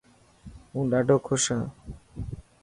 هون ڏاڌو خوش هان.